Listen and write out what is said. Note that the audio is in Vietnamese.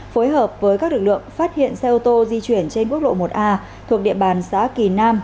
phối hợp với các lực lượng phát hiện xe ô tô di chuyển trên quốc lộ một a thuộc địa bàn xã kỳ nam